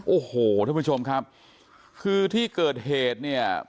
โอ้โหท่านผู้ชมครับคือที่เกิดเหตุเนี่ย